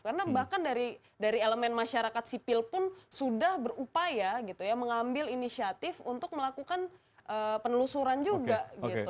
karena bahkan dari elemen masyarakat sipil pun sudah berupaya gitu ya mengambil inisiatif untuk melakukan penelusuran juga gitu